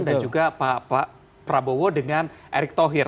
dan juga pak prabowo dengan erik tohir